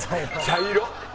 茶色！